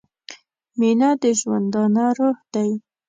• مینه د ژوندانه روح دی.